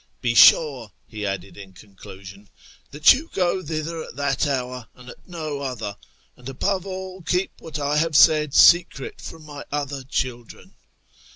" Be sure," he added in conclusion, " that you go thither at that hour and at no other, and above all keep what I have said secret from my other children."